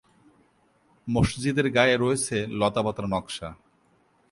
মসজিদের গায়ে রয়েছে লতাপাতার নকশা।